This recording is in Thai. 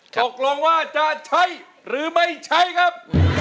ตกลงว่าจะใช้หรือไม่ใช้ครับ